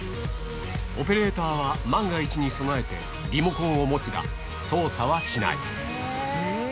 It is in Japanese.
オペレーターは万が一に備えてリモコンを持つが、操作はしない。